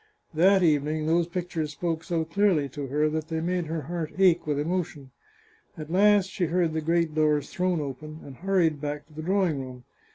That evening those pictures spoke so clearly to her that they made her heart ache with emotion. At last she heard the great doors thrown open, and hurried back to the drawing room.